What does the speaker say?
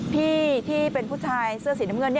ที่เป็นผู้ชายเสื้อสีน้ำเงิน